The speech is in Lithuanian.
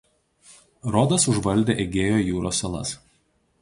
Rodas užvaldė Egėjo jūros salas.